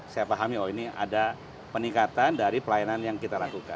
saya pahami oh ini ada peningkatan dari pelayanan yang kita lakukan